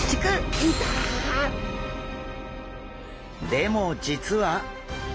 でも実は。